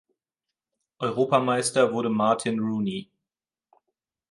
Europameister wurde Martyn Rooney.